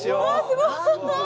すごい。